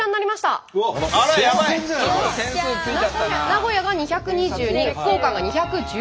名古屋が２２２福岡が２１１。